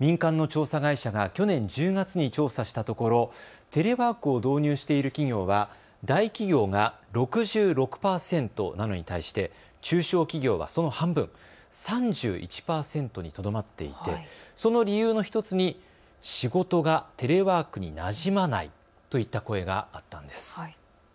民間の調査会社が去年１０月に調査したところテレワークを導入している企業は大企業が６６％なのに対して中小企業はその半分３１％にとどまっていてその理由の１つに仕事がテレワークになじまないといった声があったんです。